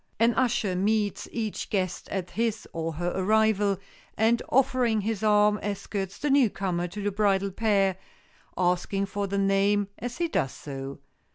An usher meets each guest at his, or her arrival, and offering his arm, escorts the newcomer to the bridal pair, asking for the name as he does so.